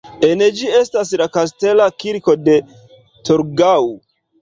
En ĝi estas la Kastela kirko de Torgau.